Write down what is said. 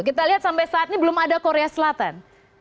kita lihat sampai saat ini belum ada korea selatan